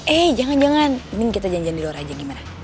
eh jangan jangan mending kita janjian di luar aja gimana